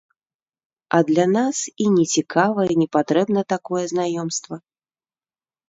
А для нас і не цікава і не патрэбна такое знаёмства.